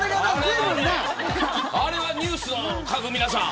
あれはニュースを書く皆さん